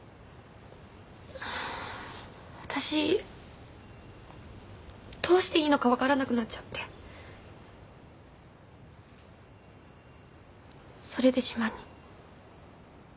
わたしどうしていいのか分からなくなっちゃってそれで島に。